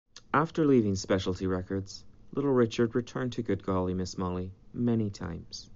After leaving Specialty Records Little Richard returned to "Good Golly, Miss Molly" many times.